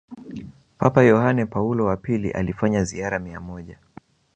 Papa Yohane Paulo wa pili alifanya ziara mia moja